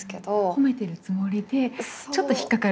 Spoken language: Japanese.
褒めてるつもりでちょっと引っ掛かる。